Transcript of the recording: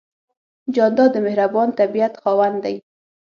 جانداد د مهربان طبیعت خاوند دی.